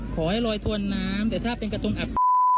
ขอให้ลอยทวนน้ำแต่ถ้าเป็นกระทงอับ